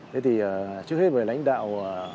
thì trước hết với lãnh đạo